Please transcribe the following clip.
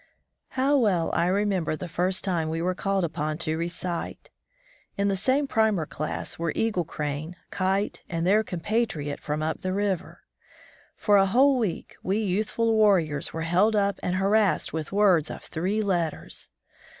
How well I remember the first time we were called upon to recite! In the same 45 From the Deep Woods to Civilization primer class were Eagle Crane, Kite, and their compatriot from up the river. For a whole week we youthful warriors were held up and harassed with words of three letters.